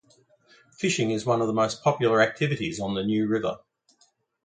Fishing is one of the most popular activities on the New River.